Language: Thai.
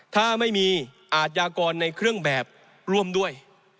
ถ้าไม่มีอาทยากรในเครื่องแบบร่วมด้วย